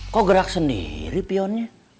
kok gerak sendiri pionnya